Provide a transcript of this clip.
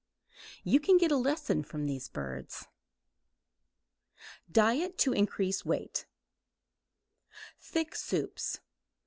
You can get a lesson from these birds. DIET TO INCREASE WEIGHT Thick soups.